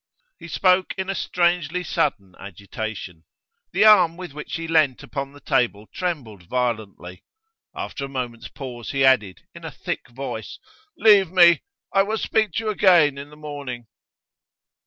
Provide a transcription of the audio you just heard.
He spoke in a strangely sudden agitation. The arm with which he leaned upon the table trembled violently. After a moment's pause he added, in a thick voice: 'Leave me. I will speak to you again in the morning.